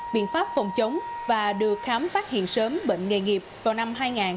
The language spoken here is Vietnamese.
biện pháp phòng chống và được khám phát hiện sớm bệnh nghề nghiệp vào năm hai nghìn ba mươi